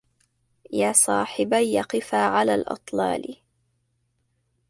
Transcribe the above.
يا صاحبى قفا على الأطلال